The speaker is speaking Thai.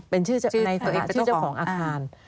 เป็นตัวเองเป็นชื่อเจ้าของอาคาร